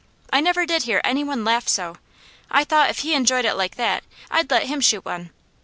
I never did hear any one laugh so. I thought if he enjoyed it like that, I'd let him shoot one.